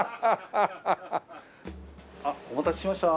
あっお待たせしました。